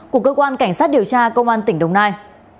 của cơ quan cảnh sát điều tra công an tỉnh đồng nai